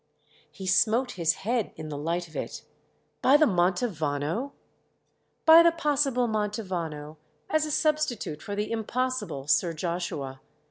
He smote his head in the light of it. "By the Mantovano?" "By the possible Mantovano—as a substitute for the impossible Sir Joshua.